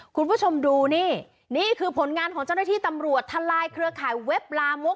คุณผู้ชมดูนี่นี่คือผลงานของเจ้าหน้าที่ตำรวจทะลายเครือข่ายเว็บลามก